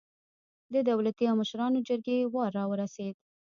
د دولتي او مشرانو جرګې وار راورسېد.